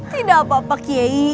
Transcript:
tidak apa apa kiai